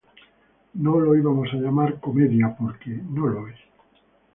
No lo íbamos a llamar comedia, porque no lo es'.